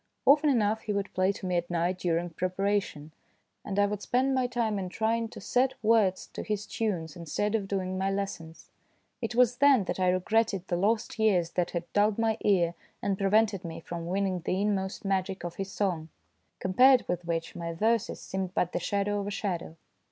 Often enough he would play to me at night during prepara tion, and I would spend my time in trying to set words to his tunes instead of doing my lessons. It was then that I regretted the lost years that had dulled my ear and prevented me from winning the inmost magic of his song, compared with which my verses seemed but the shadow of a shadow.